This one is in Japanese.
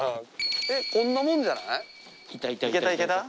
こんなもんじゃない？いけた？